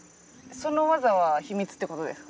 その技は秘密ってことですか？